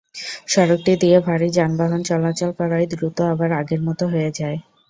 সড়কটি দিয়ে ভারী যানবাহন চলাচল করায় দ্রুত আবার আগের মতো হয়ে যায়।